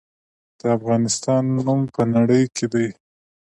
د افغانستان نوم په نړۍ کې دی